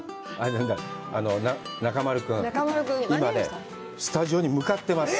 中丸君、今ね、スタジオに向かってます。